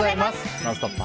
「ノンストップ！」